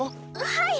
はい！